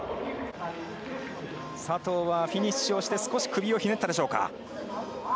佐藤はフィニッシュをして少し首をひねったでしょうか。